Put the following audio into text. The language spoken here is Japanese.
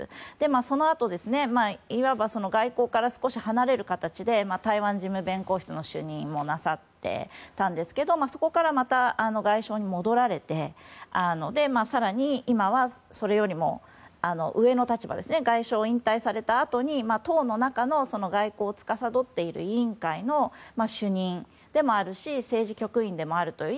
そのあと、いわば外交から少し離れる形で台湾事務弁公室の主任もなさっていたんですがそこからまた外相に戻られて更に今は、それよりも上の立場の外相を引退されたあとに党の中の外交をつかさどっている委員会の主任でもあるし政治局委員でもあるという